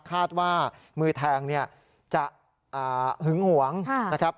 คาดว่ามือแทงเนี่ยจะหึงหวงนะครับ